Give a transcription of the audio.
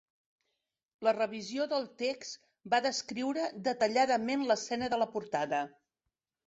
La revisió del text va descriure detalladament l'escena de la portada.